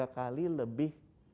tiga kali lebih